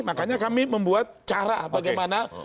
makanya kami membuat cara bagaimana supaya tidak bisa